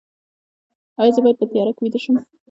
ایا زه باید په تیاره کې ویده شم؟